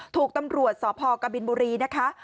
ถูกตำรวจสพกบินบุรีนะคะ